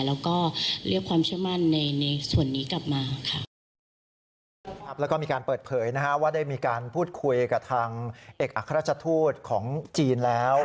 แล้วก็มีการเปิดเผยว่าได้มีการพูดคุยกับทางเอกอัครราชทูตของจีนแล้ว